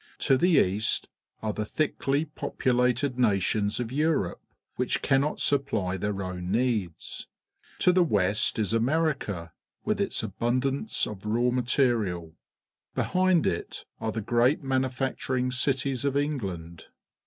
To the east are the thicldy populated nations of Europe, which cannot supply their own needs ; to the west is America, with its abundance of raw material ; beliind it are the great manufactur ing cities of England.